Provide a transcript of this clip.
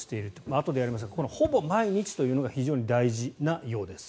あとでやりますがほぼ毎日というのが非常に大事なようです。